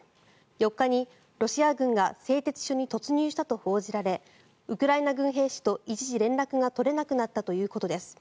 ４日にロシア軍が製鉄所に突入したと報じられウクライナ軍兵士と一時、連絡が取れなくなったということです。